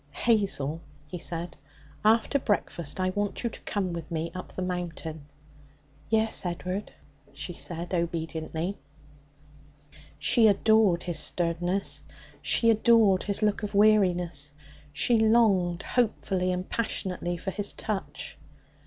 'Hazel,' he said, 'after breakfast I want you to come with me up the Mountain.' 'Yes, Ed'ard,' she said obediently. She adored his sternness. She adored his look of weariness. She longed hopefully and passionately for his touch.